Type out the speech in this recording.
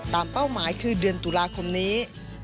เป้าหมายคือเดือนตุลาคมนี้